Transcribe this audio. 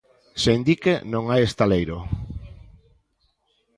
Sen dique, non hai estaleiro.